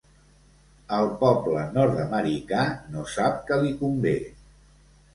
El poble nord-americà no sap què li convé.